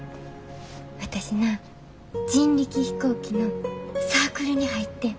私な人力飛行機のサークルに入ってん。